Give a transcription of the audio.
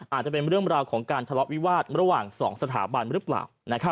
อาจจะเป็นเรื่องราวของการทะเลาะวิวาสระหว่าง๒สถาบันหรือเปล่า